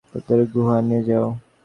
তাদের গুহায় নিয়ে যাও।